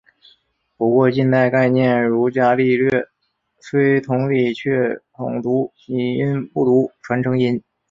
不过近代概念如伽利略虽同理却统读拟音不读传承音。